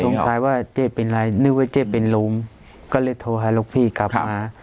ลูกชายว่าเจ๊เป็นอะไรนึกว่าเจ๊เป็นลมก็เลยโทรให้ลูกพี่กลับมา